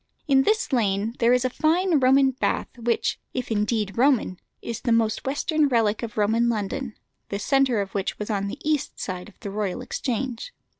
In this lane there is a fine Roman bath which, if indeed Roman, is the most western relic of Roman London, the centre of which was on the east end of the Royal Exchange.